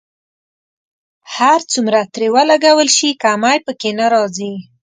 هر څومره ترې ولګول شي کمی په کې نه راځي.